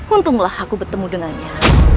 untunglah aku bertemu dengannya